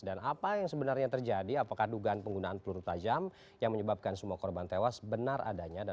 dan apa yang sebenarnya terjadi apakah dugaan penggunaan peluru tajam yang menyebabkan semua korban tewas benar adanya